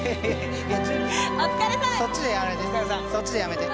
そっちでやめて。